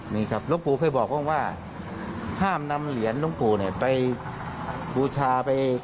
มีครับฐลงปูพี่เคยบอกว่าห้ามนำเหลียนฐลงปูไปบูชาไป